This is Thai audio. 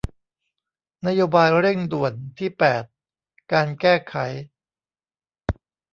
นโยบายเร่งด่วนที่แปดการแก้ไข